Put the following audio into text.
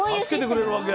助けてくれるわけ？